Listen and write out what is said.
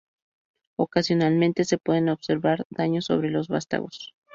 Ocasionalmente se pueden observar daños sobre los vástagos.